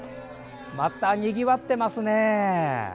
また、にぎわってますね。